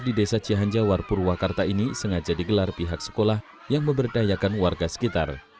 di desa cihanjawar purwakarta ini sengaja digelar pihak sekolah yang memberdayakan warga sekitar